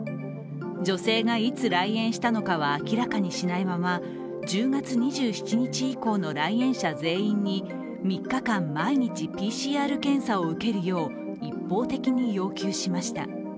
女性がいつ来園したのかは明らかにしないまま１０月２７日以降の来園者全員に３日間毎日、ＰＣＲ検査を受けるよう一方的に要求しました。